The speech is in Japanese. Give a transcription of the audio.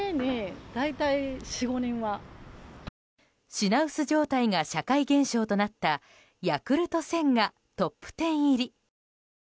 品薄状態が社会現象となったヤクルト１０００がトップ１０入り。